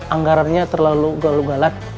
anggarannya terlalu galau galat